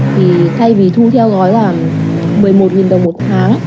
thì thay vì thu theo gói là một mươi một đồng một tháng